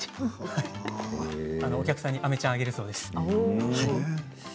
お客さんにあめちゃんをあげるそうです。